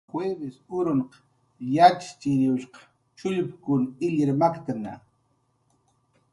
Juivis uruq yatxchiriwshq chullkun illir maktna